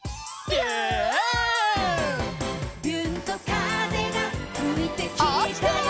「びゅーんと風がふいてきたよ」